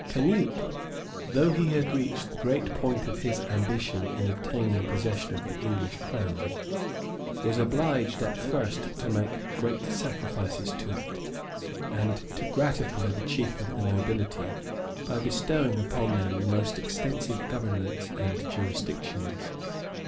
Canute, though he had reached the great point of his ambition in obtaining possession of the English crown, was obliged at first to make great sacrifices to it; and to gratify the chief of the nobility, by bestowing on them the most extensive governments and jurisdictions.